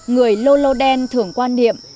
người lô lô đen thưởng quan điểm